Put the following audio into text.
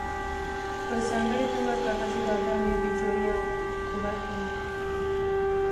په ځانګړې توګه کاغذي بادام یې بې جوړې او خورا ښه وو.